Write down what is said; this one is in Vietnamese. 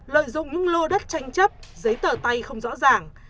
lợi dụng những lô đất tranh chấp giấy tờ tay không rõ ràng